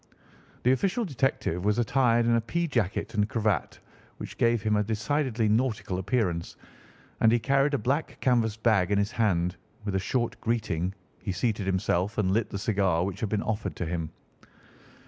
The official detective was attired in a pea jacket and cravat, which gave him a decidedly nautical appearance, and he carried a black canvas bag in his hand. With a short greeting he seated himself and lit the cigar which had been offered to him.